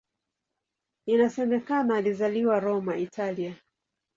Inasemekana alizaliwa Roma, Italia.